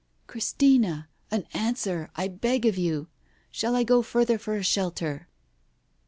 ... "Christina, an answer, I beg of you! Shall I go further for a shelter